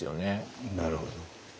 なるほど。